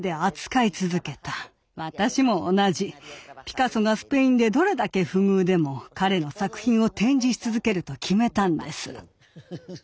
ピカソがスペインでどれだけ不遇でも彼の作品を展示し続けると決めたんです。